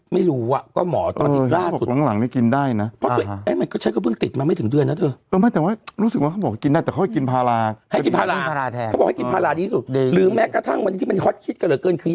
มิมิเคราะห์เอาเป้าหมาย